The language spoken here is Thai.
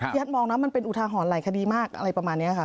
พี่ฮัทมองนะว่ามันเป็นอุทาหร่ายคดีมากอะไรประมาณนี้ค่ะ